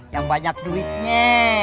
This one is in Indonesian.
yang banyak duitnya